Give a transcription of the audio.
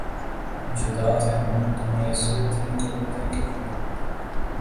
جدا تھے ہم تو میسر تھیں قربتیں کتنی